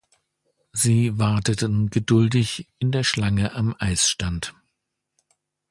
Sie warteten geduldig in der Schlange am Eisstand